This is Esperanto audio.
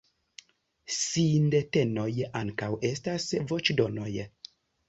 Sindetenoj ankaŭ estas voĉdonoj.